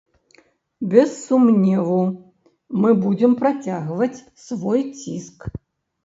Без сумневу, мы будзем працягваць свой ціск.